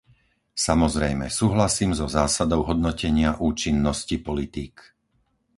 Samozrejme, súhlasím so zásadou hodnotenia účinnosti politík.